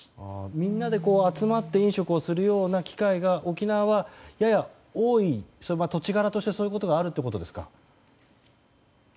みんなで集まって飲食をするような機会が沖縄はやや多い、土地柄としてそういうことがあるってことですか？